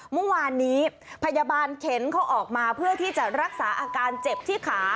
เมื่อวานนี้พยาบาลเข็นเขาออกมาเพื่อที่จะรักษาอาการเจ็บที่ขา